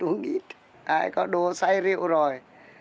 uống ít ai có đồ xay rượu rồi